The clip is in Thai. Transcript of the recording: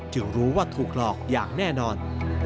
รู้ว่าถูกหลอกอย่างแน่นอน